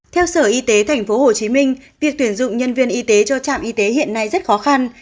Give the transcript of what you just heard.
theo sở y tế tp hcm việc tuyển dụng nhân viên y tế cho trạm y tế hiện nay rất khó khăn